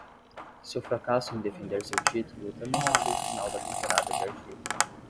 Seu fracasso em defender seu título também marcou o final da temporada de argila.